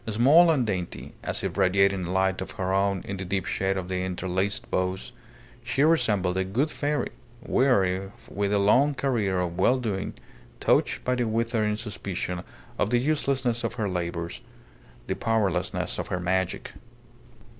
Small and dainty, as if radiating a light of her own in the deep shade of the interlaced boughs, she resembled a good fairy, weary with a long career of well doing, touched by the withering suspicion of the uselessness of her labours, the powerlessness of her magic.